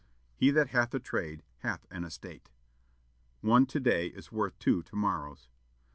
"He that hath a trade, hath an estate." "One to day is worth two to morrows."